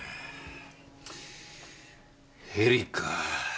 ヘリかあ。